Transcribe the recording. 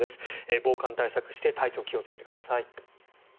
防寒対策をして体調、気をつけてください。